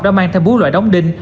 đã mang theo bú loại đóng đinh